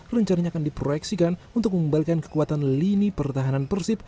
rencananya akan diproyeksikan untuk mengembalikan kekuatan lini pertahanan persib